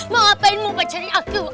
mau ngapain mau pacari aku